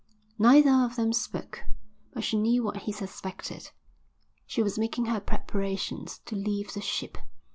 Neither of them spoke, but she knew what he suspected. She was making her preparations to leave the ship.